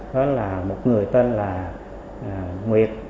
đó là một người tên là nguyệt